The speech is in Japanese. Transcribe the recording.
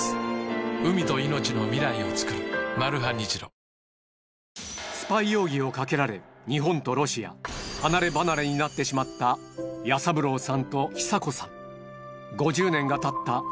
午後の紅茶おいしい無糖スパイ容疑をかけられ日本とロシア離れ離れになってしまった彌三郎さんと久子さん